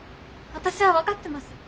私は分かってます。